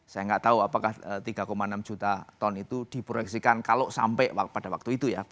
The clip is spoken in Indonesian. saya nggak tahu apakah tiga enam juta ton itu diproyeksikan kalau sampai pada waktu itu ya